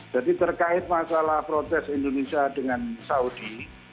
jadi terkait masalah protes indonesia dengan saudi